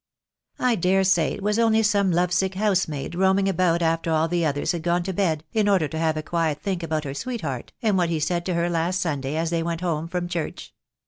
"I daresay it was only some love sick housemaid, THE DAY WILL COME. 55 roaming about after all the others had gone to bed, in order to have a quiet think about her sweetheart, and what he said to her last Sunday as they went home from church.